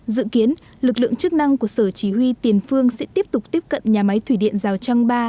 dự kiến lực lượng chức năng của sở chỉ huy tiền phương sẽ tiếp tục tiếp cận nhà máy thủy điện rào trăng ba